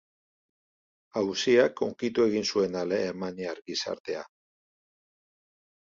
Auziak hunkitu egin zuen alemaniar gizartea.